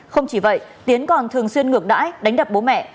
không chỉ vậy tiến còn thường xuyên ngược đãi đánh đập bố mẹ